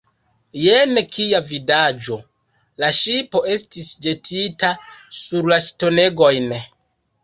Jen, kia vidaĵo! La ŝipo estis ĵetita sur la ŝtonegojn.